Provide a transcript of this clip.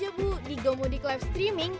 ya bu di gomudik live streaming